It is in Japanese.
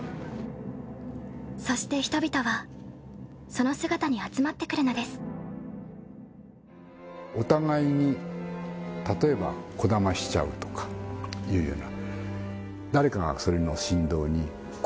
そして人々はその姿に集まってくるのですお互いに例えばこだましちゃうとかいうような。